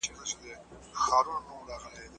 د پېښې په اړه له ټولو لیدونکو څخه پوښتني وکړئ.